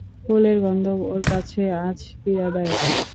ফুলের গন্ধও ওর কাছে আজ পীড়াদায়ক।